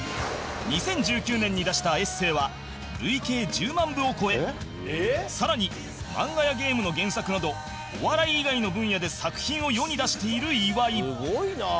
２０１９年に出したエッセイは累計１０万部を超え更に漫画やゲームの原作などお笑い以外の分野で作品を世に出している岩井